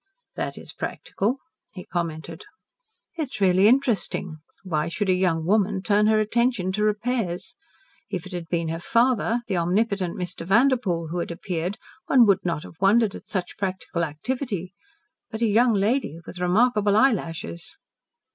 "That is practical," he commented. "It is really interesting. Why should a young woman turn her attention to repairs? If it had been her father the omnipotent Mr. Vanderpoel who had appeared, one would not have wondered at such practical activity. But a young lady with remarkable eyelashes!"